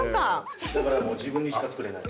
だからもう自分にしか作れない。